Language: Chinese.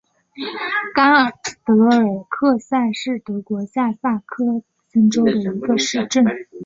甘德尔克塞是德国下萨克森州的一个市镇。